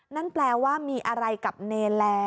นั่นแปลว่ามีอะไรกับเนรแล้ว